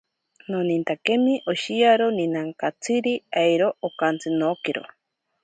Nonintemi oshiyaro naninkatsiri, airo okantsi nookiro.